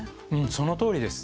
そのとおりです。